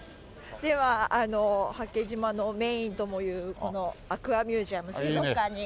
では八景島のメインともいうこのアクアミュージアム水族館に。